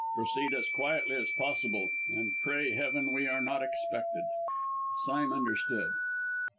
Proceed as quietly as possible, and pray heaven we are not expected!" Sime understood.